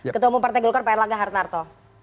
ketua umum partai golkar pak erlangga hartarto